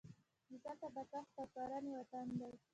مځکه د کښت او کرنې وطن دی.